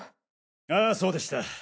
ああそうでした。